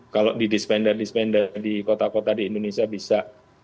kalau di dispender dispender di kota kota di indonesia bisa